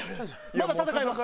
まだ戦えます。